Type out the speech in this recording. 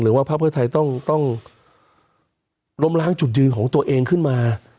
ว่าภาคเพื่อไทยต้องล้มล้างจุดยืนของตัวเองขึ้นมา